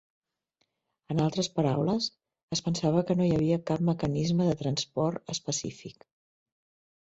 En altres paraules, es pensava que no hi havia cap mecanisme de transport específic.